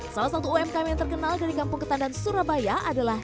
salah satu umkm yang terkenal dari kampung ketandan surabaya adalah